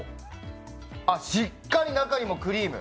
あっ、しっかり中にもクリーム。